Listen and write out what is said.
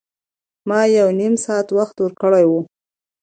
ما یو نیم ساعت وخت ورکړی و.